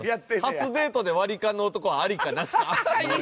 「初デートで割り勘の男はアリかナシか」。